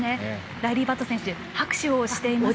ライリー・バット選手拍手しています。